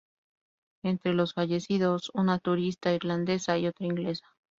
Entre los fallecidos: una turista irlandesa y otra inglesa.